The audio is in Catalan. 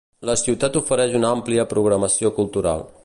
La ciutat ofereix una àmplia programació cultural.